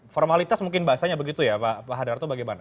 formalitas mungkin bahasanya begitu ya pak hadarto bagaimana